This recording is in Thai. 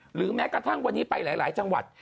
หรือแม้กระทั่งวันนี้ไปหลายจังหวัด